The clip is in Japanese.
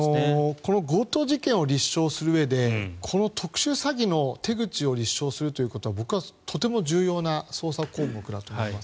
この強盗事件を立証するうえでこの特殊詐欺の手口を立証するということは僕はとても重要な捜査項目だと思います。